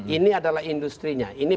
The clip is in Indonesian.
ini adalah industri